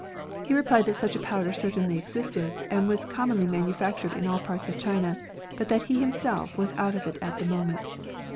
He replied that such a powder certainly existed, and was com monly manufactured in all parts of China, but that he himself was out of it at the moment.